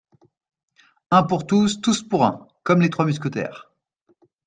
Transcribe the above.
Un pour tous, tous pour un, comme les trois mousquetaires